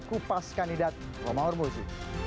kupas kandidat romar muzi